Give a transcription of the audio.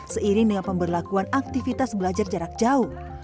seiring dengan pemberlakuan aktivitas belajar jarak jauh